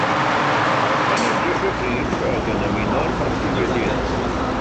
Mae'n edrych i'r drych ac yn ymuno â'r parti wedyn.